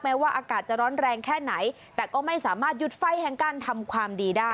ว่าอากาศจะร้อนแรงแค่ไหนแต่ก็ไม่สามารถหยุดไฟแห่งการทำความดีได้